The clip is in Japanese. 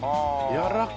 やわらか。